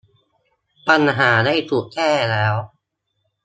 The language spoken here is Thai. ปัญหาได้ถูกแก้แล้ว